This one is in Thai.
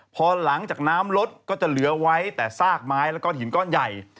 พอหลังจากน้ำลดก็จะเหลือไว้แต่ซากไม้แล้วก็หินก้อนใหญ่